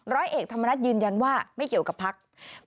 ร้อยเอกธรรมนัฐยืนยันว่าไม่เกี่ยวกับพัก